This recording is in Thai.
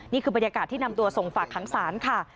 นี่คือบรรยากาศที่นำตัวส่งฝากขังศาลค่ะ